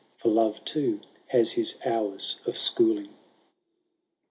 For Love, too, has his hours of schooling.